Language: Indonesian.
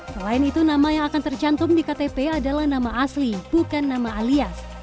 selain itu nama yang akan tercantum di ktp adalah nama asli bukan nama alias